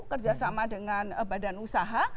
kerjasama dengan badan usaha